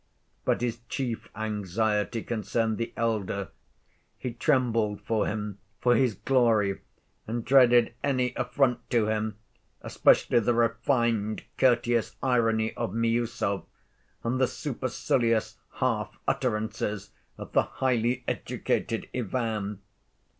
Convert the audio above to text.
But his chief anxiety concerned the elder. He trembled for him, for his glory, and dreaded any affront to him, especially the refined, courteous irony of Miüsov and the supercilious half‐utterances of the highly educated Ivan.